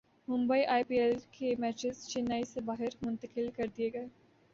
Mumbai I P L کے matches Chennai سے باہر منتقل کر دیئے گئے